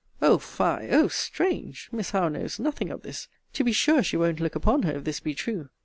O fie! O strange! Miss Howe knows nothing of this! To be sure she won't look upon her, if this be true!